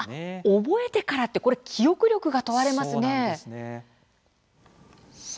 覚えてから記憶力が問われますね。